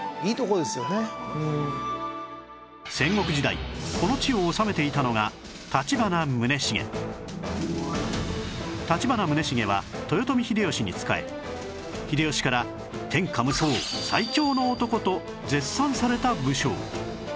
戦国時代この地を治めていたのが立花宗茂は豊臣秀吉に仕え秀吉から天下無双最強の男と絶賛された武将